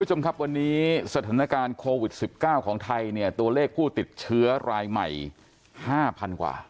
คุณผู้ชมครับวันนี้สถานการณ์โควิด๑๙ของไทยเนี่ยตัวเลขผู้ติดเชื้อรายใหม่๕๐๐๐กว่า